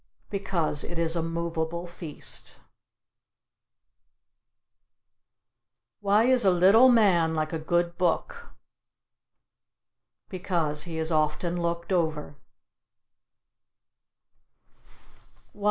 Because it is a movable feast. Why is a little man like a good book? Because he is often looked over.